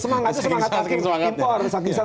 semangat itu semangat impor